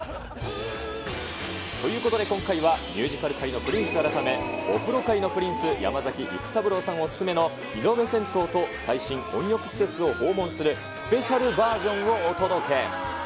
これないと登場できないんだなんだ、こいつはよ。ということで今回は、ミュージカル界のプリンス改め、お風呂界のプリンス、山崎育三郎さんお勧めのリノベ銭湯と最新温浴施設を訪問するスペシャルバージョンをお届け。